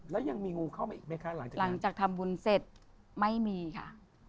แล้วยังมีงูเข้ามาอีกไหมคะหลังจากทำบุญเสร็จไม่มีค่ะ